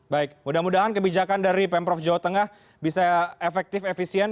baik mudah mudahan kebijakan dari pemprov jawa tengah bisa efektif efisien